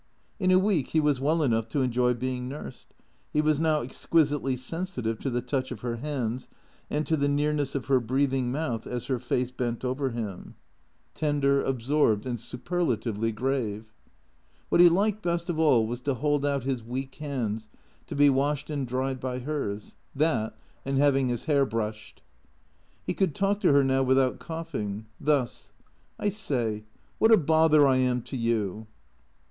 In a week he was well enough to enjoy being nursed. He was now exquisitely sensitive to the touch of her hands, and to tlie nearness of her breathing mouth as her face bent over him, 29 30 THE CKEATOES tender, absorbed, and superlatively grave. What he liked best of all was to hold out his weak hands to be washed and dried by hers; that, and having his hair brushed. He could talk to her now without coughing. Thus —" I say, what a bother I am to you."